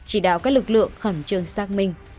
chỉ đạo các lực lượng khẩn trương xác minh